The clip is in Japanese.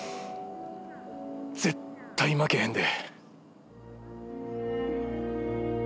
絶対負けへんで。